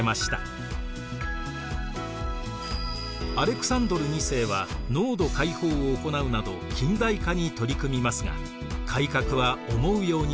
アレクサンドル２世は農奴解放を行うなど近代化に取り組みますが改革は思うように進まず暗殺されました。